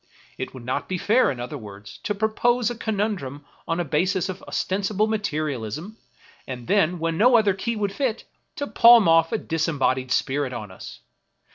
It would not be fair, in other words, to propose a conundrum on a basis of ostensible materialism, and then, when no other key would fit, to palm off a disembodied spirit on us.